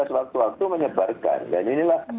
sewaktu waktu menyebarkan dan inilah